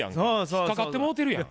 引っ掛かってもうてるやん。